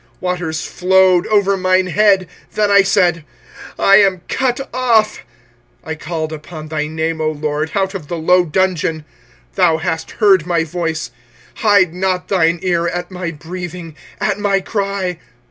25:003:054 Waters flowed over mine head; then I said, I am cut off. 25:003:055 I called upon thy name, O LORD, out of the low dungeon. 25:003:056 Thou hast heard my voice: hide not thine ear at my breathing, at my cry.